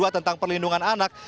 tentang perlindungan anak